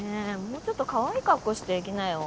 もうちょっとかわいい格好して行きなよ